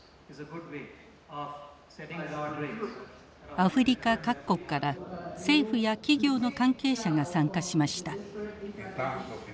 アフリカ各国から政府や企業の関係者が参加しました。